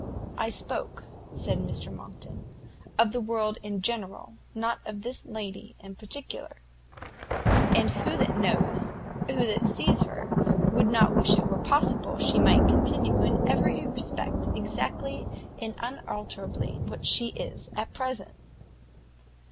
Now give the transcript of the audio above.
"I spoke," said Mr Monckton, "of the world in general, not of this lady in particular; and who that knows, who that sees her, would not wish it were possible she might continue in every respect exactly and unalterably what she is at present?"